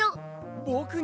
ぼくに？